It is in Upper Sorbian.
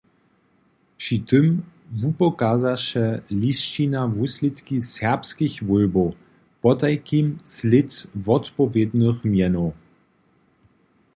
Při tym wupokazaše lisćina wuslědki serbskich wólbow, potajkim slěd wotpowědnych mjenow.